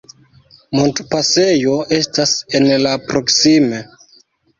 Montopasejo estas en la proksime.